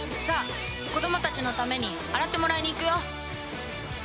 さあ子どもたちのために洗ってもらいに行くよ！